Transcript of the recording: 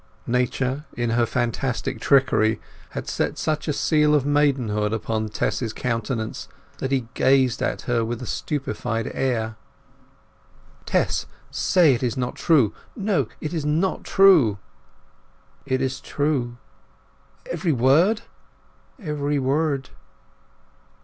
Nature, in her fantastic trickery, had set such a seal of maidenhood upon Tess's countenance that he gazed at her with a stupefied air. "Tess! Say it is not true! No, it is not true!" "It is true." "Every word?" "Every word."